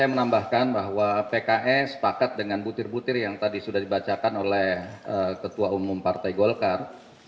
saya menambahkan bahwa pks sepakat dengan butir butir yang tadi sudah dibacakan oleh ketua umum partai golkar